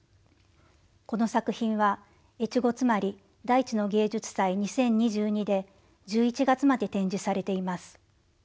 この作品は越後妻有大地の芸術祭２０２２で１１月まで展示されています。